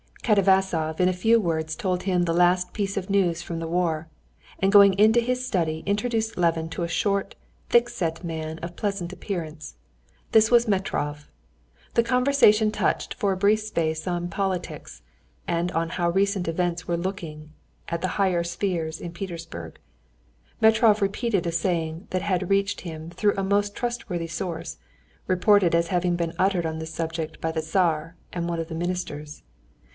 Katavasov in a few words told him the last piece of news from the war, and going into his study, introduced Levin to a short, thick set man of pleasant appearance. This was Metrov. The conversation touched for a brief space on politics and on how recent events were looked at in the higher spheres in Petersburg. Metrov repeated a saying that had reached him through a most trustworthy source, reported as having been uttered on this subject by the Tsar and one of the ministers.